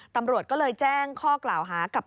ตำรวจก็เลยแจ้งข้อกล่าวหากับ